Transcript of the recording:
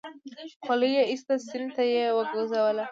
خولۍ يې ايسته سيند ته يې وگوزوله.